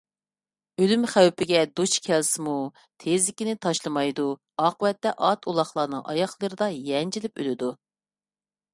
ئۆلۈم خەۋپىگە دۇچ كەلسىمۇ تېزىكىنى تاشلىمايدۇ. ئاقىۋەتتە ئات - ئۇلاغنىڭ ئاياغلىرىدا يەنجىلىپ ئۆلىدۇ.